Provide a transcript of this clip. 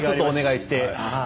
お願いして。